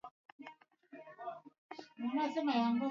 Kuja ofisini